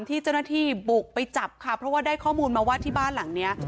ที่เจ้าหน้าที่บุกไปจับค่ะเพราะว่าได้ข้อมูลมาว่าที่บ้านหลังเนี้ย